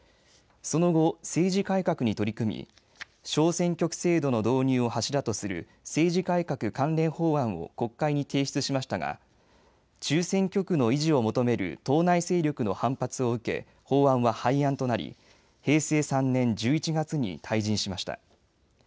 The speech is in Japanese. その後、政治改革に取り組み小選挙区制度の導入を柱とする政治改革関連法案を国会に提出しましたが中選挙区の維持を求める党内勢力の反発を受け、法案は廃案となり平成３年１１月に退陣しました。